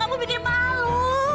kamu bikin malu